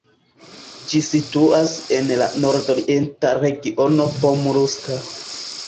Ĝi situas en la nordorienta regiono Pomurska.